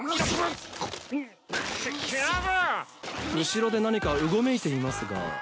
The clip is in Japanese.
後ろで何かうごめいていますが。